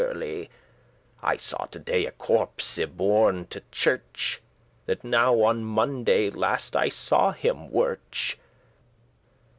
*certainly I saw to day a corpse y borne to chirch, That now on Monday last I saw him wirch*.